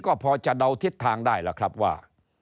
ก็พอจะเดาทิศทางได้ล่ะครับว่า